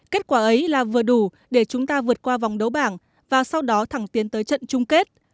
kết quả ấy là vừa đủ để chúng ta vượt qua vòng đấu bảng và sau đó thẳng tiến tới trận chung kết